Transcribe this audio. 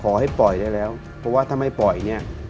ขอให้ปล่อยได้แล้วเพราะว่าถ้าไม่ปล่อยเนี่ย